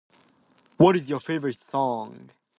What is your favorite song?